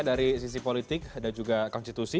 dari sisi politik dan juga konstitusi